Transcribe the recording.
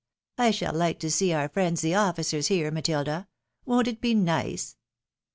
I shall like to see our friends the officers here, Matilda ; won't it be nice?